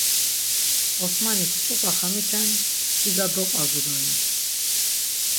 Osmanik ç̌ut̆a xamiten biga dop̌azu doren.